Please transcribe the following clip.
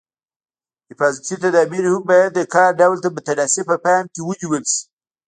حفاظتي تدابیر هم باید د کار ډول ته متناسب په پام کې ونیول شي.